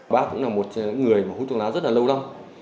bác cũng là một người hút thuốc lá rất là lâu lắm